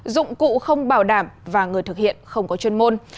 dụng cụ không bảo đảm và người thực hiện không có chuyên môn